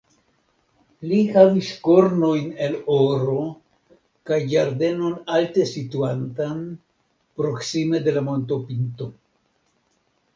Li havis kornojn el oro kaj ĝardenon alte situantan, proksime de la montopinto.